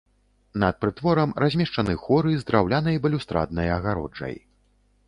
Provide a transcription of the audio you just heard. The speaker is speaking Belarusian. Над прытворам размешчаны хоры з драўлянай балюстраднай агароджай.